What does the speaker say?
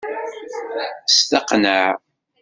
Steqneε!